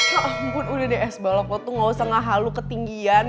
ya ampun udah deh esbalok lo tuh gak usah ngahalu ketinggian